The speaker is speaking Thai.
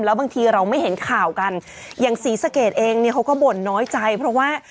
แล้วบางทีเราไม่เห็นข่าวกันอย่างศรีสะเกดเองเนี่ยเขาก็บ่นน้อยใจเพราะว่า